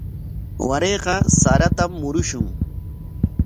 Warayqa saratam murumushun.